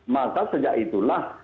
maka sejak itulah